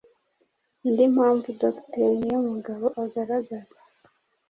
Indi mpamvu Dr Niyomugabo agaragaza,